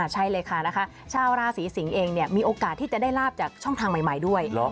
ใช่เลยค่ะชาวราศีสิงศ์เองมีโอกาสที่จะได้ลาบจากช่องทางใหม่ด้วย